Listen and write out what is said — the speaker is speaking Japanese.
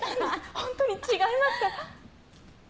ホントに違いますから。